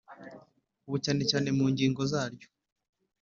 ubu cyane cyane mu ngingo zaryo